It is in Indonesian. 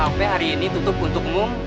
cafe hari ini tutup untuk ngum